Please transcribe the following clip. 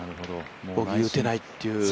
ボギー打てないっていう。